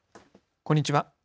こんにちは。